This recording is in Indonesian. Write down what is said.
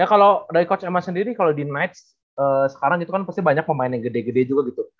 ya kalau dari coach emma sendiri kalau di nights sekarang itu kan pasti banyak pemain yang gede gede juga gitu